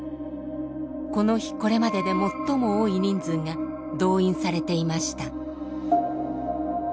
この日これまでで最も多い人数が動員されていました。